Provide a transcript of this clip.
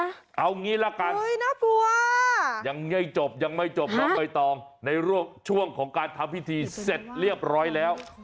เอาอย่างนี้ละกันยังไงจบยังไม่จบนะไอ้ตองในช่วงของการทำพิธีเสร็จเรียบร้อยแล้ว